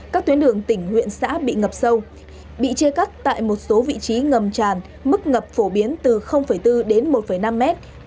các tuyến đường tỉnh huyện xã bị ngập sâu bị chia cắt tại một số vị trí ngầm tràn mức ngập phổ biến từ bốn đến một năm mét